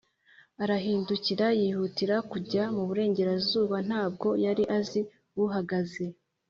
arahindukira; yihutira kujya mu burengerazuba; ntabwo yari azi uhagaze